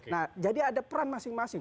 nah jadi ada peran masing masing